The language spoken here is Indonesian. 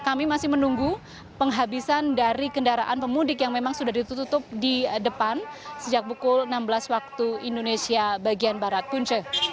dan kami masih menunggu penghabisan dari kendaraan pemudik yang memang sudah ditutup di depan sejak pukul enam belas waktu indonesia bagian barat punca